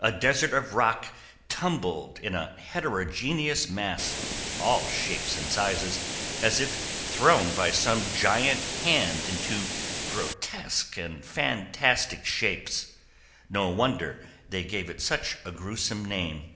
A desert of rock tumbled in a heterogeneous mass, all shapes and sizes, as if thrown by some giant hand into grotesque and fantastic shapes. No wonder they gave it such a gruesome name.